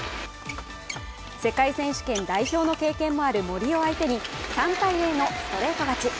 世界選手権代表の経験もある森を相手に３−０のストレート勝ち。